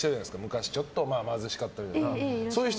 昔ちょっと貧しかったっていうような。